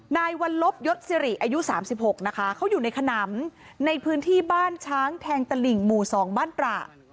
นายวัลลบยศสิริอายุ๓๖นะคะเขาอยู่ในขนำในพื้นที่บ้านช้างแทงตลิ่งหมู่๒บ้านตระ